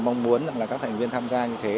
mong muốn các thành viên tham gia như thế